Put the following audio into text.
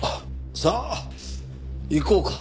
さあ行こうか。